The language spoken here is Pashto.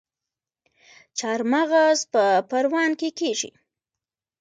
چارمغز په پروان کې کیږي